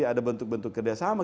ada bentuk bentuk kerja sama